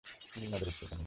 নীল নদের উৎস এখানেই।